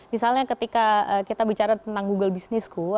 misalnya ketika kita bicara tentang google business school